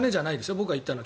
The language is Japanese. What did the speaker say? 僕が言ったのは。